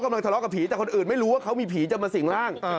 ทะเลาะกับผีแต่คนอื่นไม่รู้ว่าเขามีผีจะมาสิ่งร่าง